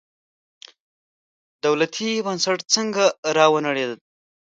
دولتي بنسټ څنګه راونړېد.